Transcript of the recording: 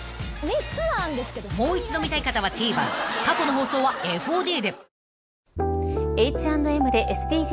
［もう一度見たい方はＴＶｅｒ過去の放送はＦＯＤで］